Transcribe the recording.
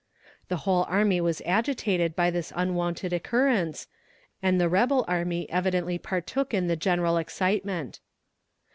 The whole army was agitated by this unwonted occurrence, and the rebel army evidently partook in the general excitement.